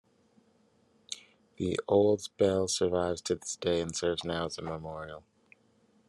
The old bell survives to this day and serves now as a memorial.